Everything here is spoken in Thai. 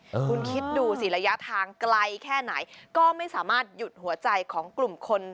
คุณคิดดูสิระยะทางไกลแค่ไหนก็ไม่สามารถหยุดหัวใจของกลุ่มคน